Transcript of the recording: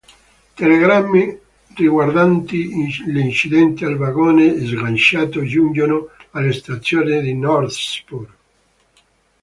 Telegrammi riguardanti l'incidente al vagone sganciato giungono alla stazione di Northspur.